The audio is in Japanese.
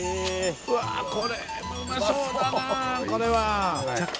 うわあこれうまそうだなあこれは！